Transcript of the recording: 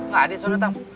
gak ada suara tam